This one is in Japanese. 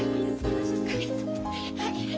はい。